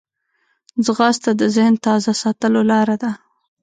ځغاسته د ذهن تازه ساتلو لاره ده